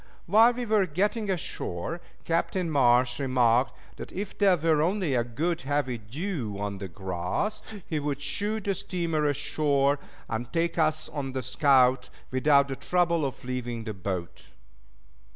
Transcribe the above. While we were getting ashore, Captain Marsh remarked that if there were only a good heavy dew on the grass he would shoot the steamer ashore, and take us on the scout without the trouble of leaving the boat.